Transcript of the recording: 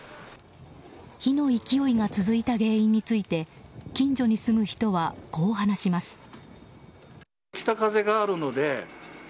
火の勢いが続いた原因について近所に住む人は、こう話します。